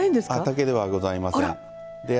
竹ではございません。